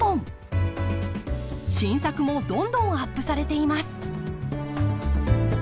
新作もどんどんアップされています。